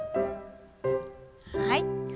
はい。